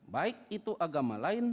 baik itu agama lain